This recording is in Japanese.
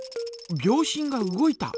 秒針が動いた！